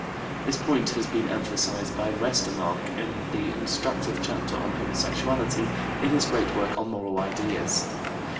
This point has been emphasized by Westermarck in the instructive chapter on homosexuality in his great work on Moral Ideas.